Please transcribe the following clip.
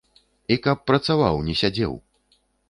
І каб працаваў, не сядзеў.